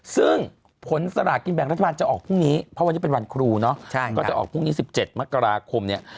ซึ่งผลสลากินแบ่งรัฐบาลจะออกพรุ่งนี้เพราะวันนี้เป็นวันครูเนาะก็จะออกพรุ่งนี้๑๗มกราคมเนี่ย